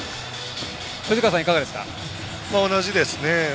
同じですね。